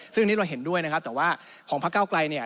ซึ่งอันนี้เราเห็นด้วยนะครับแต่ว่าของพระเก้าไกลเนี่ย